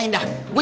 ya udah keluar